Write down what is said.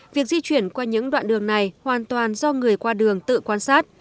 việc di chuyển qua những đoạn đường này hoàn toàn do người qua đường tự quan sát